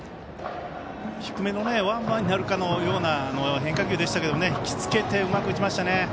低めのワンバンになるかのような変化球でしたけれども引き付けてうまく打ちましたね。